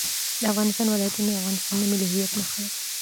د افغانستان ولايتونه د افغانستان د ملي هویت نښه ده.